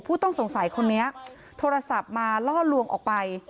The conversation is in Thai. ผู้ต้องสงสัยคนนี้โทรศัพท์มาล่อลวงออกไป